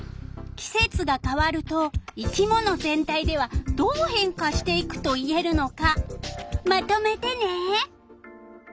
季節が変わると生き物全体ではどう変化していくと言えるのかまとめてね！